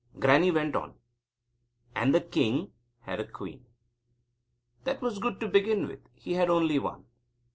Grannie went on: "And the king had a queen." That was good to begin with. He had only one.